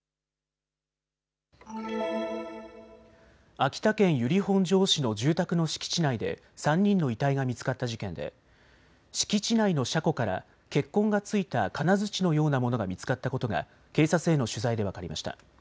秋田県由利本荘市の住宅の敷地内で３人の遺体が見つかった事件で敷地内の車庫から血痕が付いた金づちのようなものが見つかったことが警察への取材で分かりました。